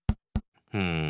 うん。